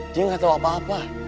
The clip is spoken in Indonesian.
dia gak tau apa apa